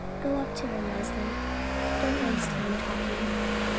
Go up to her, Leslie; don't waste time talking."